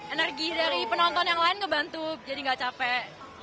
energi dari penonton yang lain ngebantu jadi gak capek